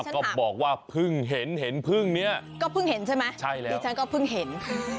ก็บอกว่าเพิ่งเห็นเห็นพึ่งนี้ก็เพิ่งเห็นใช่ไหมใช่แล้วดิฉันก็เพิ่งเห็น